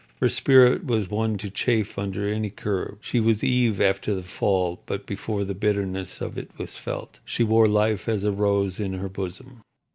Her spirit was one to chafe under any curb; she was Eve after the fall, but before the bitterness of it was felt. She wore life as a rose in her bosom.